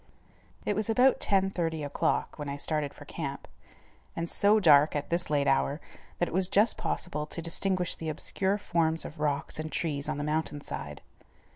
It was about 10:30 o'clock when I started for camp, and so dark, at this late hour, that it was just possible to distinguish the obscure forms of rocks and trees on the mountain side.